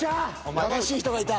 正しい人がいた。